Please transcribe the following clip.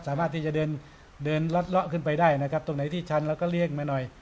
สามารถที่จะเดินเดินลัดเลาะขึ้นไปได้นะครับตรงไหนที่ชันเราก็เลี่ยงมาหน่อย